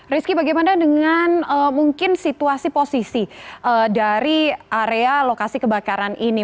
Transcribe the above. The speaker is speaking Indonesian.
rizky bagaimana dengan mungkin situasi posisi dari area lokasi kebakaran ini